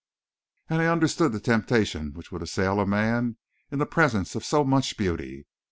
And I understood the temptation which would assail a man in the presence of so much beauty.